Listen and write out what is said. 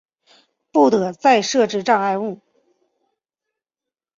不得再设置障碍